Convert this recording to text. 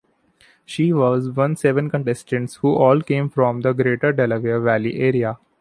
She was one seven contestants who all came from the greater Delaware Valley area.